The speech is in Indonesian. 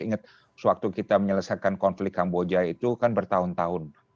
ingat sewaktu kita menyelesaikan konflik kamboja itu kan bertahun tahun